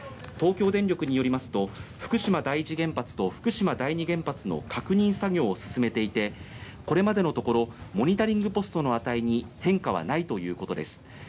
東京電力によりますと福島第一原発と福島第二原発の確認作業を進めていてこれまでのところモニタリングポストの値に変化はないということです。